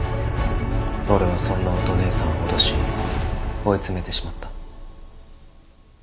俺はそんな乙姉さんを脅し追い詰めてしまった。